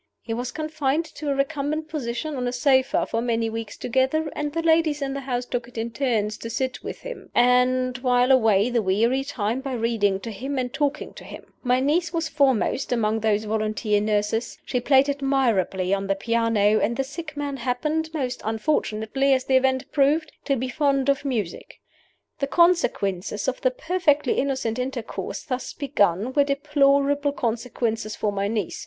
He was confined to a recumbent position on a sofa for many weeks together; and the ladies in the house took it in turns to sit with him, and while away the weary time by reading to him and talking to him. My niece was foremost among these volunteer nurses. She played admirably on the piano; and the sick man happened most unfortunately, as the event proved to be fond of music. "The consequences of the perfectly innocent intercourse thus begun were deplorable consequences for my niece.